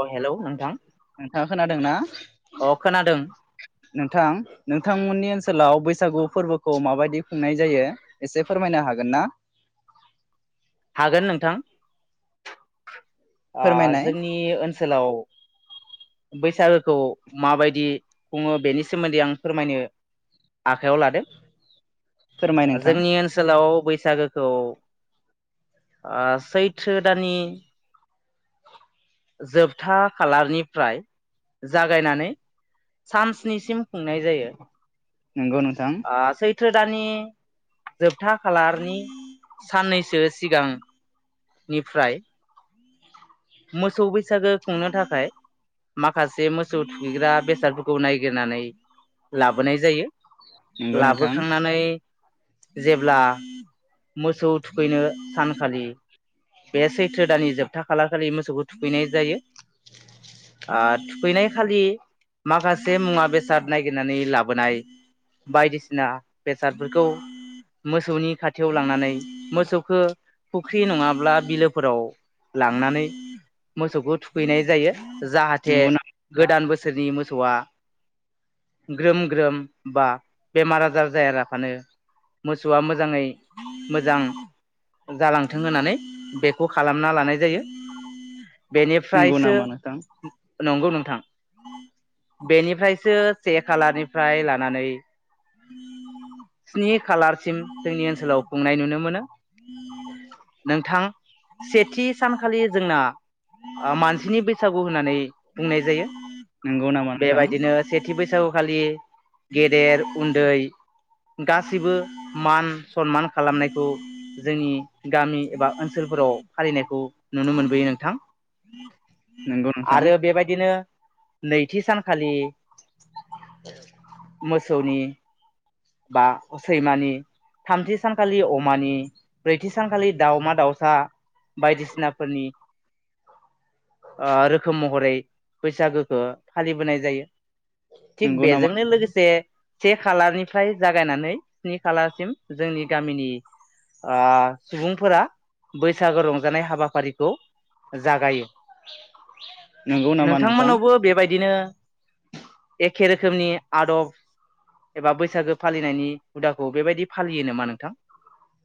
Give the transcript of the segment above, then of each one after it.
अ hello नोंथां नोंथाङा खोनादोंना अ खोनादों नोथां नोंथांमोननि ओनस हेल बैसागो फोर्बोखौ मा बादि खुंनाय जायो एसे फोरमायनो हागोनना हागोन नोंथां ओ फोरमायनाय जोंनि ओनसोलाव बैसागोखौ मा बादि खुङो बेनि सोमोन्दै आङो फोरमायनो आखायाव लादों फोरमाय नोंथां जोंनि ओनसोलाव बैसागो बैसागोखौ ओ सैत्रो दाननि जोबथा खालारनिफ्राय जागायनानै सान स्निसिम खुंनाय जायो नंगौ नोंथां ओ [unintelligible] दाननि जोबथा खालारनि साननैसो सिगां निफ्राय मोसौ बैसागो खुंनो थाखाय माखासे मोसौ थुखैग्रा बेसादफोरखौ नायगिरनानै लाबोनाय जायो नंगौ नोंथां लाबोखांनानै जेब्ला मोसौ थुखैनो सानखालि बे सैथ्र दाननि जोबथा खालार खालि मोसौखौ थुखैनाय जायो आ थुखैनाय खालि माखासे मुवा बेसाद नायगिरनानै लाबोनाय बायदिसिना बेसादफोरखौ मोसौनि खाथियाव लांनानै मोसौखौ फु ख्रि नङाब्ला बिलोफोराव लांनानै मोसौखौ थुखैनाय जायो जाहाते नंगौ नामा नोंथां गोदान बोसोरनि मोसौवा ग्रोम ग्रोम बा बेमार आजार जायालाबानो मोसौवा मोजाङै मोजां जालांथों होन्नानै बेखौ खालामना लानाय जायो नंगौ बेनिफ्रायसो नामा नोंथां नंगौ नोंथां बेनिफ्रायसो से खालारनिफ्राय लानानै स्नि खालारसिम जोंनि ओनसोलाव खुंनाय नुनो मोनो नोंथां सेथि सानखालि जोंना ओ मानसिनि बैसागु होन्नानै बुंनाय जायो जो नंगौ नामा नोंथां सेथि बैसागु खालि गेदेर उन्दै गासिबो मान सनमान खालामनायखौ जोंनि गामि एबा ओनसोलफोराव फालिनायखौ नुनो मोनबोयो नोंथां नंगौ नोंथां आरो बेबादिनो नैथि सानखालि मोसौनि बा सैमानि, थामथि सानखालि अमानि, ब्रैथि सानखालि दाउमा दाउसा बायदिसिना फोरनि ओ रोखोम महरै बैसागोखौ फालिबोनाय जायो थिक नंगौ नामा बेजोंनो लोगोसे से खालारनिफ्राय जागायनानै स्नि खालारसिम जोंनि गामिनि आ सुबुंफोरा बैसागो रंजानाय हाबाफारि खौ जागायो, नंगौ नामा नोंथां नोंथावमोन्नावबो बेबादिनो [unintelligible] एखे रोखोमनि आदब एबा बैसागो फालिनायनि हुदाखौ बेबादि फालियो नामा नोंथां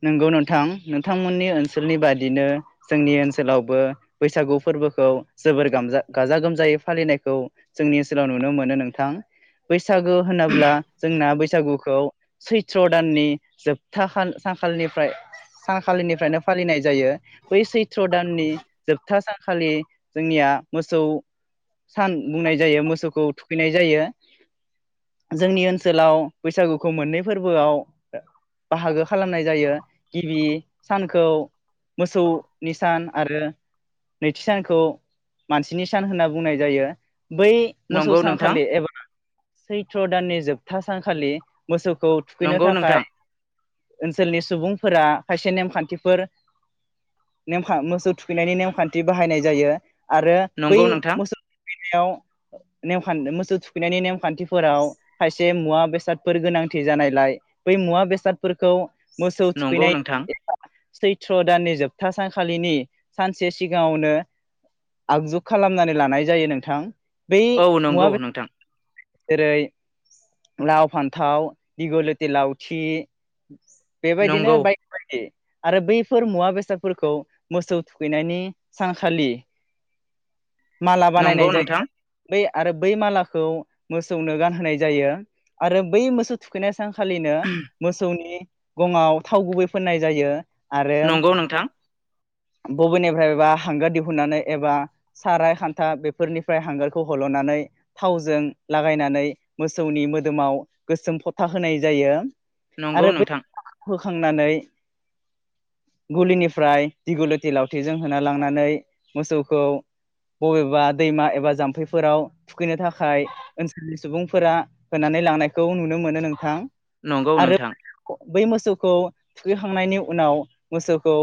नंगौ नोंथां, नोंथांमोननि ओनसोलनि बादिनो जोंनि ओनसोलावबो बैसागो फोर्बोखौ जोबोर गामजा गाजा गोमजायै फालिनायखौ जोंनि ओनसोलाव नुनो मोनो नोंथां बैसागो होनोब्ला जोंनि बैसागोखौ सैथ्र दाननि जोबथा सानखालिनिफ्राय सानखालिनिफ्रायनो फालिनाय जायो बै सैथ्र दाननि जोबथा सान खालि जोंनिया मोसौ सान बुंनाय जायो मोसौखौ थुखैनाय जायो जोंनि ओनसोलाव बैसागुखौ मोन्नै फोर्बोआव बाहागो खालामनाय जायो गिबि सानखौ मोसौनि सान आरो नैथि सानखौ मानसिनि सान होन्नानै बुंनाय जायो बै मोसौ नंगौ नोंथां सानखालि एबा सैथ्र दाननि जोबथा सानखालि मोसौखौ थुखैनो नंगौ थाखाय नोंथां ओनसोलनि सुबुंफोरा खायसे नेम खान्थिफोर नेमखा मोसौ थुखैनायनि नेमखान्थि बाहायनाय जायो आरो बै नंगौ नोंथां [unintelligible] बेयाव नेव हान्दों मोसौ थुखैनायनि नेमखान्थिफोराव खायसे मुवा बेसादफोर गोनांथि जानायलाय बै मुवा बेसाद फोरखौ मोसौ नंगौ थुखैनाय नोंथां सैत्र दाननि जोबथा सानखालिनि सानसे सिगाङावनो आगजु खालामनानै लानाय जायो नोंथां बै औ मुवा नंगौ नोंथां जेरै लाव, फान्थाव, दिगलिथि लावथि बेबायदिनो नंगौ बायदि बायदि आरो बैफोर मुवा बेसादफोरखौ मोसौ थुखैनायनि सानखालि माला नंगौ बानायनाय नोंथां जायो बै आरो बै मालाखौ मोसौनो गानहोनाय जायो आरो बै मोसौ थुखैनाय सान खालिनो सौनि गङाव थाव गुबै फुननाय जायो नंगौ नोंथां बबेनिफ्रायबा हांगार दिहुननानै एबा साराइ, खान्था बेफोरनिफ्राय हांगारखौ हलनानै थावजों लागायनानै मोसोनि मोदोमाव गोसोम फथा होनाय जायो नंगौ नोंथां खांनानै गलिनिफ्राय दिगलिथि लावथिजों होना लांनानै मोसौखौ बबेबा दैमा एबा जामफैफोराव थुखैनो थाखाय ओनसोलनि सुबुंफोरा होनानै लांनायखौ नुनो मोनो नोंथां नंगौ आरो नोंथां बै मोसौखौ थुखैखांनायनि उनाव मोसौखौ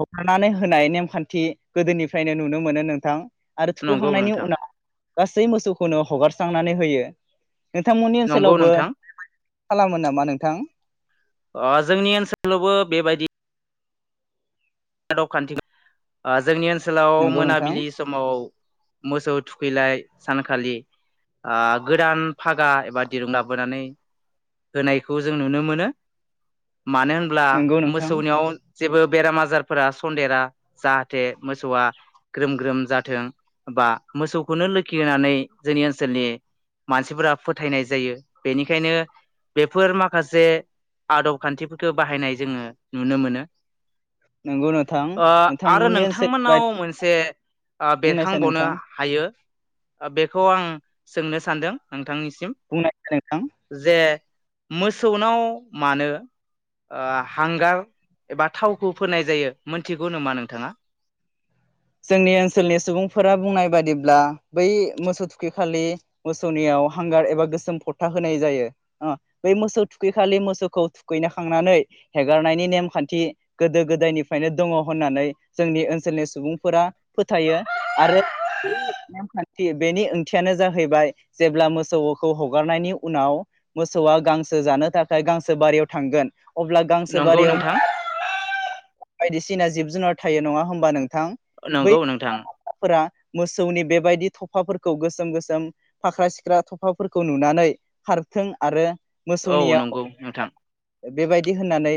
हगारनानै होनाय नेमखान्थि गोदोनिफ्रायनो नुनो मोनो नोंथां आरो नंगौ थुखैखांनायनि नोंथां उनाव गासै मोसौखौनो हगारस्रांनानै होयो नोंथांमोननि नंगौ ओन्सोलावबो नोंथां खालामो नामा नोंथां ओह जोंनि ओनसोलावबो बेबादि आदब खान्थिख ओ जोंनि ओन सोलाव नंगौ नोंथां मोनाबिलि समाव मोखौ थुखैलाय सानखालि आ गोदान फागा एबा दिरुं लाबोनानै होनायखौ जों नुनो मोनो मानो होनोब्ला नंगौ नोंथां मोसौनियाव ज जेबो बेराम-आजारब फोरा सनदेरा जाहाते मोसौआ ग्रोम ग्रोम जाथों बा मोसौखौनो लोखि होननानै जोंनि ओन्सोलनि मानसिफोरा फोथायनाय जायो बेनिखायनो बेफोर माखासे आदब खान्थिफोरखौ बाहायनाय जोङो नुनो मोनो नंगौ नोंथां ओह आरो नोंथांमोननि ओनसोल नोंथांमोननाव बायदि मोनसे ओ बुंनायसाय बेरखांबनो नोंथां हायो बेखौ आं सोंनो सान्दों नोंथांनिसिम बुंनायसाय नोंथां जे मोसौनाव मानो ओ हांगार एबा थावखौ फुननाय जायो मिथिगौ नमा नोंथाङा? जोंनि ओन्सोलनि सुबुंफोरा बुंनाय बादिब्ला बै मोसौ थुखैखालि मोसौनिआव हांगार एबा गोसोम फुथा होनाय जायो बै मोसौ थुखैखालि मोसौखौ थुखैखांनानै हेगारनायनि नेमखान्थि गोदो-गोदायनिफ्रायनो दङ होन्नानै जोंनि ओनसोलनि सुबुंफ फोरा फोथायो आरो [inaudible] नेमखान्थि बेनि ओंथियानो जाहैबाय जेब्ला मोसौखौ हगारनायनि उनाव मोसौआ गांसो जानो थाखाय गांसो बारियाव थांगोन अब्ला गांसो नंगौ बारियाव नोंथां मोसा [inaudible] बायदिसिना जिब जुनार थायो नङा होनबा नोंथां बै नंगौ नोंथां [inaudible] मोसौनि बेबादि थफाफोरखौ गोसोम गोसोम फाख्रा सिख्रा थफाफोरखौ नुनानै खारथों आरो औ नंगौ नोंथां बेबादि होननानै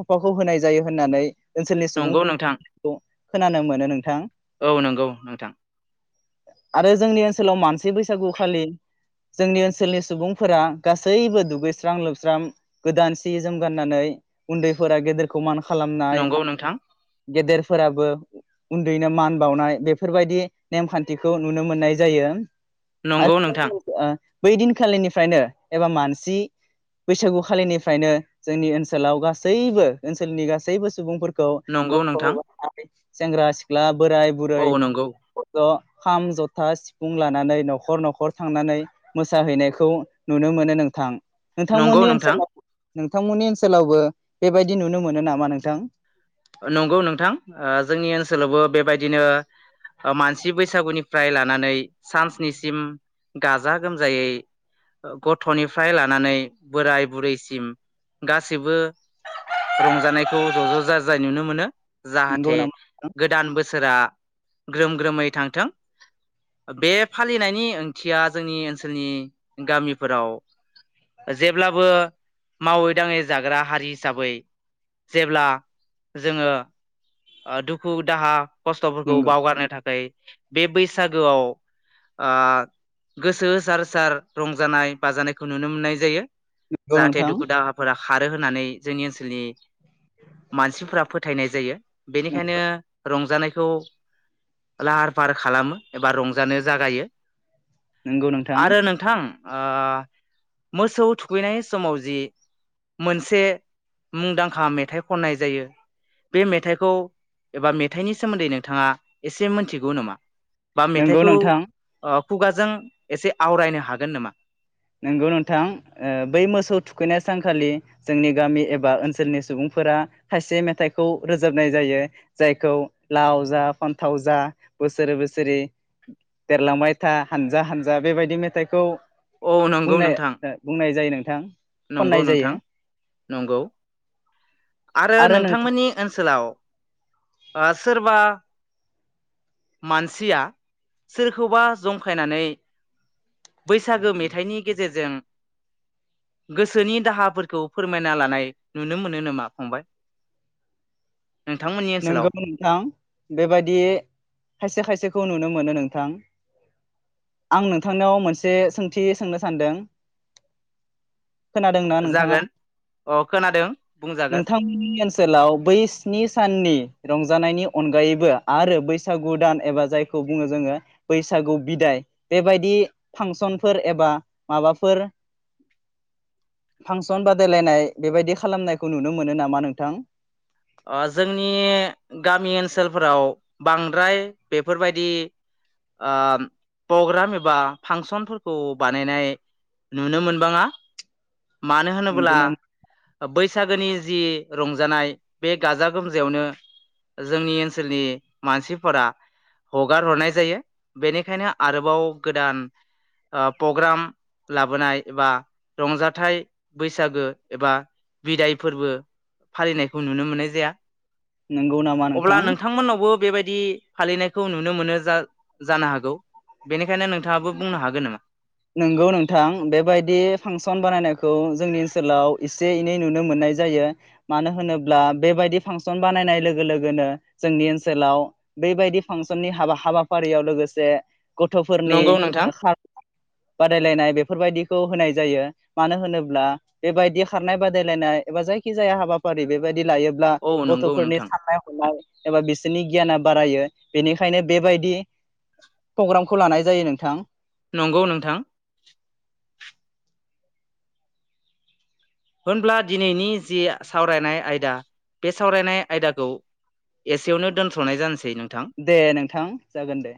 थफाखौ होनाय जायो होननानै ओनसोलनि नंगौ नोंथां सुबुंफोरखौ खोनानो मोनो नों थां औ नोंगौ नोंथां आरो जोंनि ओनसोलाव मानसि [inaudible] बैसागु खालि जोंनि ओनसोलनि सुबुंफोरा गासैबो दुगैस्रां लोबस्राम गोदान सि जोम गाननानै उन्दैफोरा गेदेरखौ मान खालामो नंगौ नोंथां गेदेरफोराबो [inaudible] उन्दैनो मानबाउनाय बेफोरबायदि नेमखान्थिखौ नुनो मोननाय जायो नंगौ नोंथां आरो ओ बै दिनखालिनिफ्रायनो एबा मानसि बैसागु खालिनिफ्रायनो जोंनि ओनसोलाव गासैबो ओनसोलनि गासैबो सुबुंफोर खौ नंगौ नोंथां [inaudible] सेंग्रा सिख्ला बोराय औ बुरै नंगौ [inaudible] खाम जथा सिफुं लानानै नखर नखर थांनानै मोसाहैनायखौ नुनो मोनो नोंथां नंगौ नोंथांमोननि नोंथां ओनसोलाव नोंथांमोननि ओनसोलावबो बेबायदि नुनो मोनो नामा नोंथां नंगौ नोंथां ओ जोंनि ओनसोलावबो बिबादिनो ओ मानसि बैसागो निफ्राय लानानै सान स्नि सिम गाजा गोमजायै गथनि फ्राय लानानै बोराय बुरिसिम गासिबो रंजानायखौ ज'-ज' जा जाय नुनो‌ मोनो नंगौ जाहाथे नामा गोदान बोसोरा ग्रोम ग्रोमै थांथों बे फालिनायनि ओंथिया जोंनि ओनसोलनि गामाफोराव जेब्लाबो मावै-दाङै जाग्रा हारि हिसाबै जेब्ला जोङो ओ दुखु दाहा खसथफोरखौ नंगौ बावगारनो थाखाय बे बैसागोयाव ओ गोसो होसार होसार रंजानाय बाजानायखौ नुनो मोननाय जायो नंगौ जाहाथे नोंथां दुखु दाहाफोरा खारो होन्ना जोंनि ओनसोलनि मानसिफोरा फोथायनाय ज जायो बेनिखायनो रंजानाय खौ लाहार फाहार खालामो एबा रंजानो जागायो नंगौ नोंथां आरो नोंथां ओ मोसौ थुखैनाय समावजि मोनसे मुंदांखा मेथाय खननाय जायो बे मेथायखौ एबा मेथायनि सोमोन्दै नोंथांआ एसे मोनथिगौ नामा बा नंगौ मेथायखौ नोंथां ओब खुगाजों एसे आवरायनो हागोन नामा नंगौ नोंथां ओ बै मोसौ थुखैनाय सानखालि जोंनि गामि एबा ओनसोलनि सुबुंफोरा खायसे मेथायखौ रोजाबनाय जायो जायखौ लाव जा फान्थाव जा बोसोरे बोसोरि देरलांबाय था हान्जा हान्जा बेबायदि मेथायखौ औ नंगौ नोंथां नोंथां नंगौ खननाय जायो नोंथां नंगौ आरो नोंथांमोननि ओनसोलाव ओ सोरबा मानसिया सोरखौबा जंखायनानै बै सागो मेथायनि गेजेरजों गोसोनि दाहाफोरखौ फोरमायना लानाय नुनो मोनो नोमा फंबाय नोंथांमोननि ओनसोलाव? नंगौ नोंथां बेबायदि खायसे खायसेखौ नुनो मोन मोनो नोंथां आं नोंथांनाव मोनसे सोंथि सोंनो सानदों खोनादोंना नोंथाङा जागोन अ खोनादों बुंजागोन नोंथांमोननि ओनसोलाव बै सिनि साननि रंजा जानायनि अनगायैबो आरो बैसागु दान एबा जायखौ बुङो जोङो बैसागु बिदाय बेबायदि फांसनफोर एबा माबाफोर फांसन बादायलायनाय बेबायदि खालामनाय खौ नुनो मोनो नामा नोंथां? अ जोंनि गामि ओनसोलफोराव बांद्राय बेफोरबायदि ओ पग्राम एबा फांसनफोरखौ बानायनाय नुनो मोनबांआ मानो नंगौ होनोब्ला नामा ओ बै सागोनि जि रंजानाय बे गाजा गोमजायावनो जोंनि ओनसोलनि मानसिफोरा हगार हरनाय जायो बेनिखायनो आरोबाव गोदान ओ पग्राम लाबोनाय एबा रंजाथाइ बैसागो एबा बिदाय फोरबो फालिनाय नुनो मोननाय जाया नंगौ नामा अब्ला नोंथां मोननावबो बेबायदि दि फालिनायखौ नुनो मोनो जा-जानो हागौ बेनिखायनो नों नंगौ नोंथां बेबादि फांसन बानायनायखौ जोंनि ओनस लाव एसे एनै नुनो मोन्नाय जायो। मानो होनोब्ला बेबादि फांसन बानायनाय लोगो लोगोनो जोंनि ओन्सोलाव बेबायदि फांसननि हाबा हाबाफारियाव लोगोसे गथफोरनि नंगौ नोंथां [unintelligible] बादायलायनाय बे फोर बायदिखौ होनाय जायो मानो होनोब्ला बेबायदि खारनाय बादायलायनाय एबा जायखिजाया हाबाफारि बेबायद दि लायोब्ला औ नंगौ गथफोरनि नोंथां साननाय हनाय एबा बिस नि गियाना बारायो बेनिखायनो बेबायदि पग्रामखौ लानाय जायो नोंथां नंगौ नोंथां [inaudible] होनब्ला दिनैनि जि सावरायनाय आयदा बे सावरायनाय आयदाखौ एसेयावनो दोन्थनाय जानस दे नोंथां जागोनदे